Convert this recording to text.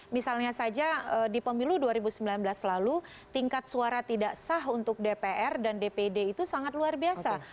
misalnya saja di pemilu dua ribu sembilan belas lalu tingkat suara tidak sah untuk dpr dan dpd itu sangat luar biasa